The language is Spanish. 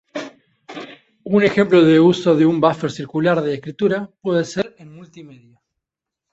Un ejemplo de uso de un buffer circular de escritura puede ser en multimedia.